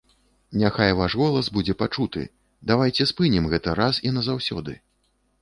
Няхай ваш голас будзе пачуты, давайце спынім гэта раз і назаўсёды.